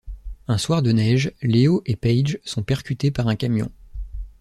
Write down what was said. Un soir de neige, Léo et Paige sont percutés par un camion.